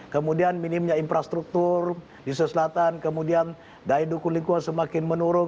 kemudian minimnya infrastruktur di sulawesi selatan kemudian daya dukung lingkungan semakin menurun